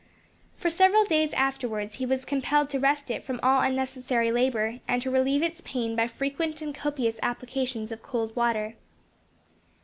For several days afterwards he was compelled to rest it from all unnecessary labour, and to relieve its pain by frequent and copious applications of cold water.